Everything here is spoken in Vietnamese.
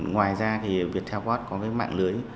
ngoài ra việt theo post có mạng lưới